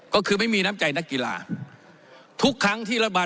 ก็คือไม่มีน้ำใจนักกีฬา